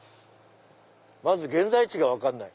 まず現在地が分かんない。